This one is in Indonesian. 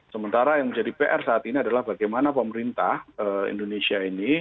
sementara yang menjadi pr saat ini adalah bagaimana pemerintah indonesia ini